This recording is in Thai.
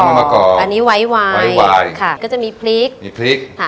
น้ำมันมะก่ออันนี้ไวไวไวไวค่ะก็จะมีพริกมีพริกค่ะ